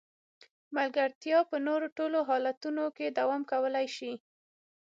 ملګرتیا په نورو ټولو حالتونو کې دوام کولای شي.